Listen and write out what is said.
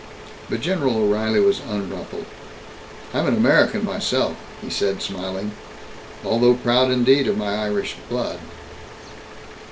But General O'Reilly was unruffled. "I'm an American, myself," he said, smiling, "although proud indeed of my Irish blood.